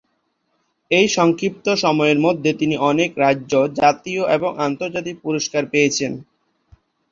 এই সংক্ষিপ্ত সময়ের মধ্যে তিনি অনেক রাজ্য, জাতীয় এবং আন্তর্জাতিক পুরস্কার পেয়েছেন।